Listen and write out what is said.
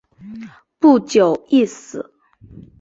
不久亦死。